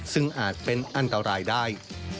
ซึ่งอาจเป็นอันตรายได้